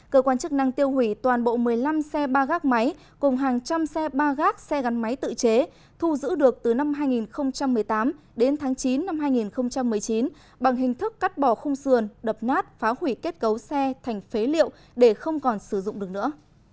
cơ quan chức năng tiêu hủy toàn bộ một mươi năm xe ba gác máy cùng hàng trăm xe ba gác xe gắn máy tự chế thu giữ được từ năm hai nghìn một mươi tám đến tháng chín năm hai nghìn một mươi chín bằng hình thức cắt bỏ khung sườn đập nát phá hủy kết cấu xe thành phế liệu để không còn sử dụng được nữa